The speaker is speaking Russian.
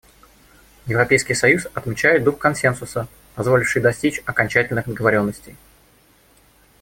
Европейский союз отмечает дух консенсуса, позволивший достичь окончательных договоренностей.